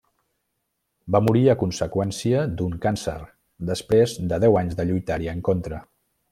Va morir a conseqüència d'un càncer, després de deu anys de lluitar-hi en contra.